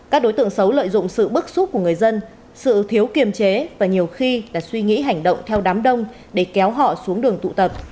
các đối tượng xấu lợi dụng sự bức xúc của người dân sự thiếu kiềm chế và nhiều khi là suy nghĩ hành động theo đám đông để kéo họ xuống đường tụ tập